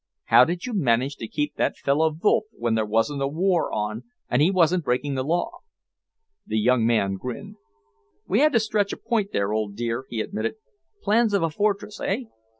How did you manage to keep that fellow Wolff when there wasn't a war on, and he wasn't breaking the law?" The young man grinned. "We had to stretch a point there, old dear," he admitted. "Plans of a fortress, eh?"